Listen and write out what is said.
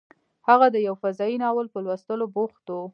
هغه د یو فضايي ناول په لوستلو بوخت و